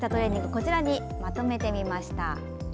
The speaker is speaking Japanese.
こちらにまとめてみました。